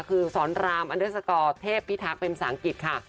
คือสอนรามอันเดิร์สกอร์เทพพี่ทักเพิ่มสังกิจค่ะ